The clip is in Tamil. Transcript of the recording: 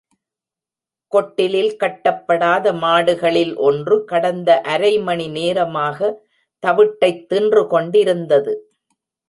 கொட்டிலில் கட்டப்படாத மாடுகளில் ஒன்று கடந்த அரைமணி நேரமாக தவிட்டைத் தின்று கொண்டிருந்தது.